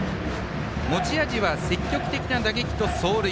持ち味は積極的な打撃と走塁。